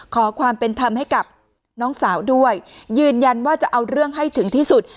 ขอความเป็นธรรมให้กับน้องสาวด้วยยืนยันว่าจะเอาเรื่องให้ถึงที่สุด